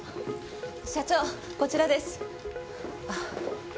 社長こちらです。